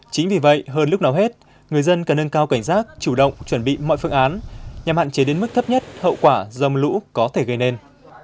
chính vì vậy hơn lúc nào hết người dân cần nâng cao cảnh giác chủ động chuẩn bị mọi phương án nhằm hạn chế đến mức thấp nhất hậu quả dầm lũ có thể gây nên